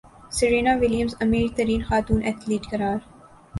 Serena Williams امیر ترین خاتون ایتھلیٹ قرار